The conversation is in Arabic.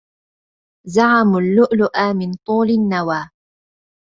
زعموا اللؤلؤ من طول النوى